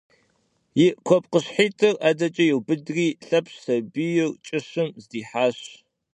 Yi kuepkhışhit'ır 'edeç'e yiubıdri, Lhepş sabiyr ç'ışım zdihaş.